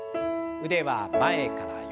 腕は前から横。